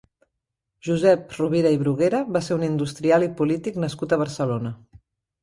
Josep Rovira i Bruguera va ser un industrial i polític nascut a Barcelona.